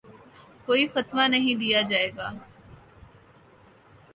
کوئی فتویٰ نہیں دیا جائے گا